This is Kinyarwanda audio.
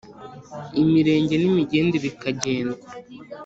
Imirenge n'imigende bikagendwa.